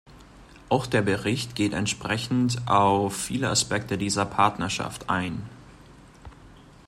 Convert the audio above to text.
Auch der Bericht geht entsprechend auf viele Aspekte dieser Partnerschaft ein.